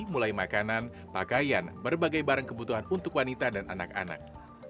mulai makanan pakaian berbagai barang kebutuhan untuk wanita dan anak anak